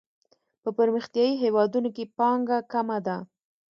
په پرمختیايي هیوادونو کې پانګه کمه ده.